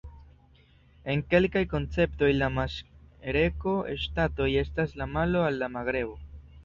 En kelkaj konceptoj la maŝreko-ŝtatoj estas la malo al la magrebo.